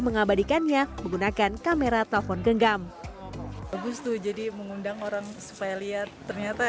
mengabadikannya menggunakan kamera telepon genggam bagus tuh jadi mengundang orang supaya lihat ternyata